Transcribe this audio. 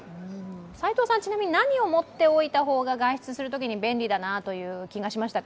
齋藤さん、ちなみに何を持っておいた方が、外出するとき便利だなと思いましたか。